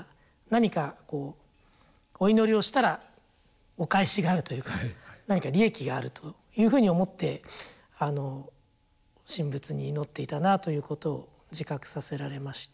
何かお祈りをしたらお返しがあるというか何か利益があるというふうに思って神仏に祈っていたなということを自覚させられまして。